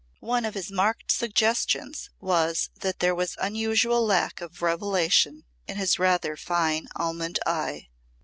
One of his marked suggestions was that there was unusual lack of revelation in his rather fine almond eye.